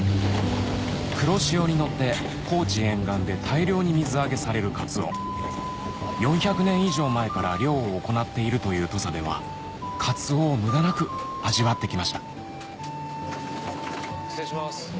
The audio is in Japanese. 黒潮に乗って高知沿岸で大量に水揚げされるカツオ４００年以上前から漁を行っているという土佐ではカツオを無駄なく味わってきました失礼します。